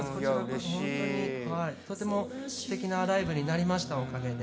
とてもすてきなライブになりました、おかげで。